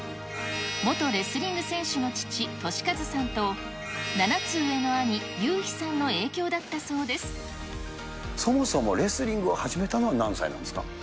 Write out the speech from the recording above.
元レスリング選手の父、俊一さんと、７つ上の兄、そもそもレスリングを始めたのは何歳なんですか。